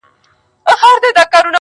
لا ایله وه رسېدلې تر بازاره .!